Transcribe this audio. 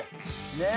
ねえ。